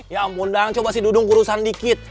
ya ampun dang coba sih dudung kurusan dikit